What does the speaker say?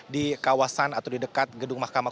di kawasan atau di dekat gedung mahkamah